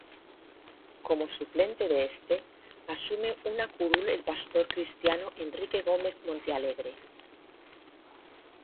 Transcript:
Como suplente de este, asume una curul el pastor cristiano Enrique Gómez Montealegre.